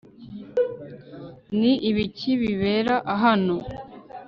Ni ibiki bibera hano